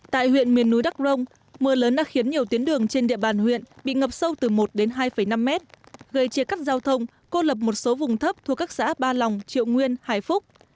tại huyện miền núi đắc rông mưa lớn đã khiến nhiều tuyến đường trên địa bàn huyện bị ngập sâu từ một đến hai năm mét gây chia cắt giao thông cô lập một số vùng thấp thuộc các xã ba lòng triệu nguyên hải phúc